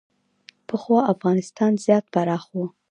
پخوا افغانستان زیات پراخ و